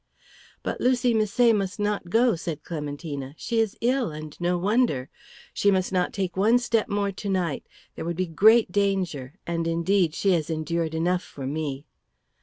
"But Lucy Misset must not go," said Clementina. "She is ill, and no wonder. She must not take one step more to night. There would be great danger, and indeed she has endured enough for me."